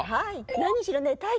何しろね